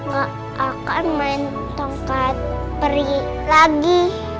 gak akan main tongkat peri lagi